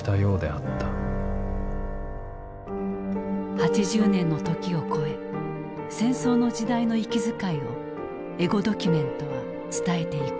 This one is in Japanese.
８０年の時を超え戦争の時代の息遣いをエゴドキュメントは伝えていく。